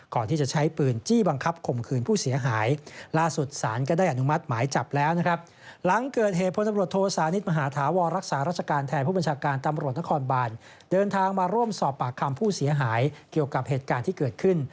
ก่อนที่จะใช้ปืนจี้บังคับข่มขืนผู้เสียหายล่าสุดสารก็ได้อนุมัติหมายจับแล้วนะครับหลังเกิดเหตุพลตำรวจโทสานิทมหาธาวรรักษาราชการแทนผู้บัญชาการตำรวจนครบานเดินทางมาร่วมสอบปากคำผู้เสียหายเกี่ยวกับเหตุการณ์ที่เกิดขึ้น